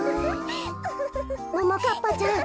ももかっぱちゃん